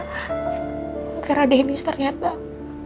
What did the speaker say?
aku kira denny seriat mbak